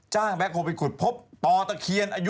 จ้างแบ็คโฮปติศภพตอตะเคียนอายุ